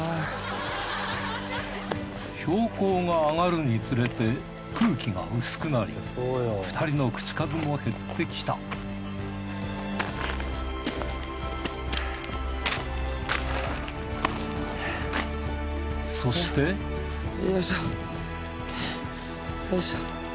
標高が上がるにつれて空気が薄くなり２人の口数も減ってきたそしてよいしょよいしょ。